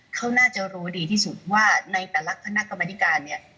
เขาน่าจะรู้ดีที่สุดว่าในแต่ละคณะกรรมธิการเนี่ย